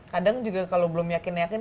kadang juga kalau belum yakin yakin